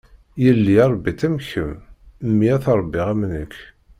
Yelli rebbi-tt am kemm, mmi ad t-rebbiɣ am nekk.